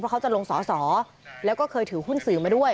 เขาจะลงสอสอแล้วก็เคยถือหุ้นสื่อมาด้วย